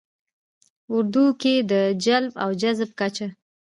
ه اردو کې د جلب او جذب کچه